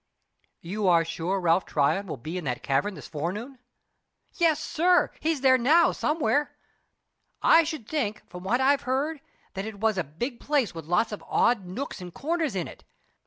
"You are sure Ralph Tryon will be in that cavern this forenoon?" "Yes, sir. He's there, now, somewhere. I should think, from what I've heard, that it was a big place with lots of odd nooks and corners in it.